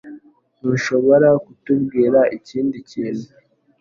Ntushobora kutubwira ikindi kintu